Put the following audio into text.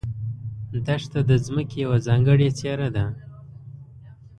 دښته د ځمکې یوه ځانګړې څېره ده.